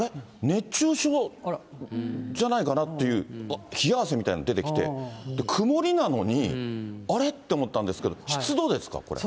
熱中症じゃないかなっていう、冷や汗みたいなの出てきて、曇りなのに、あれ？って思ったんですけど、湿度ですか、これ。